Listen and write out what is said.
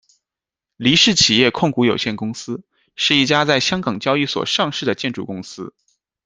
黎氏企业控股有限公司，是一家在香港交易所上市的建筑公司。